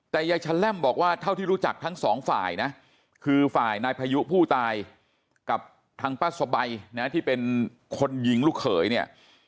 แต่ยายชะแล่มบอกว่าเท่าที่รู้จักทั้งสองฝ่ายนะคือฝ่ายนายพายุผู้ตายกับทางป้าสบายนะที่เป็นคนยิงลูกเขยเนี่ย